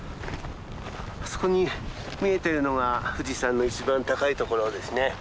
あそこに見えてるのが富士山の一番高いところですね。